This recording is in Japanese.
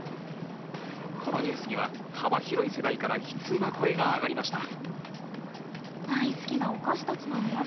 このニュースには幅広い世代から悲痛な声が上がりました。